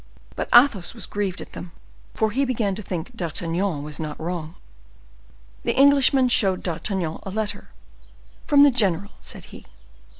But Athos was grieved at them, for he began to think D'Artagnan was not wrong. The Englishman showed D'Artagnan a letter: "From the general," said he.